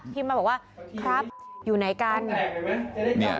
มาบอกว่าครับอยู่ไหนกัน